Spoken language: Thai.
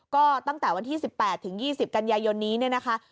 ก็ตั้งแต่วันที่๑๘ถึง๒๐กันยายนนี้เนี่ยนะคะ